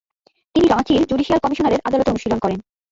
তিনি রাঁচির জুডিসিয়াল কমিশনারের আদালতে অনুশীলন করেন।